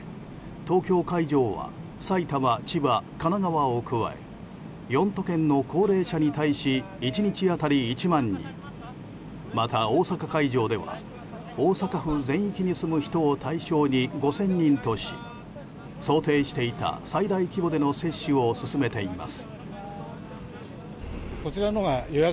東京会場は埼玉、千葉神奈川を加え４都県の高齢者に対し１日当たり１万人また、大阪会場では大阪府全域に住む人を対象に５０００人とし想定していた最大規模での接種を進めています。